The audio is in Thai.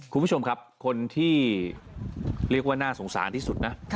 คุณผู้ชมครับคนที่เรียกว่าน่าสงสารที่สุดนะ